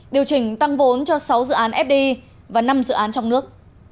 điều chỉnh tăng vốn cho sáu dự án fdi và năm dự án trong nước